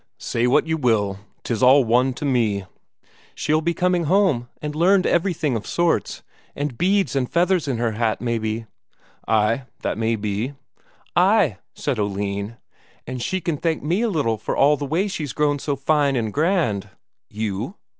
"Say what you will, 'tis all one to me." "She'll be coming home, and learned everything of sorts. And beads and feathers in her hat, maybe?" "Ay, that may be." "Ay," said Oline; "and she can thank me a little for all the way she's grown so fine and grand." "You?"